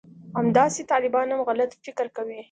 همداسې طالبان هم غلط فکر کوي